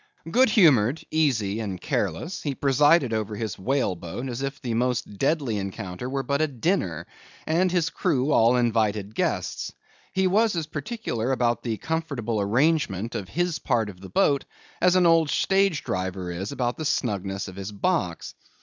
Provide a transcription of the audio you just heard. Good humored, easy, and careless, he presided over his whale boat as if the most deadly encounter were but a dinner, and his crew all invited guests. He was as particular about the comfortable arrangement of his part of the boat, as an old stage driver is about the snugness of his box.